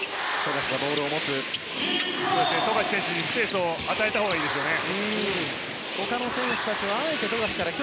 富樫選手にスペースを与えたほうがいいですね。